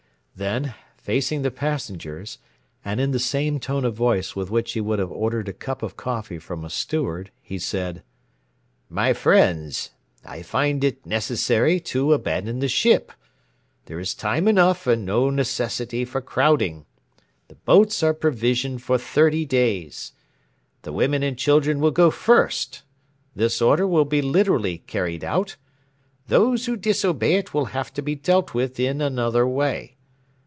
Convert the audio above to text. Then, facing the passengers, and in the same tone of voice with which he would have ordered a cup of coffee from a steward, he said: "My friends, I find it necessary to abandon the ship. There is time enough and no necessity for crowding. The boats are provisioned for thirty days. The women and children will go first: this order will be literally carried out; those who disobey it will have to be dealt with in another way.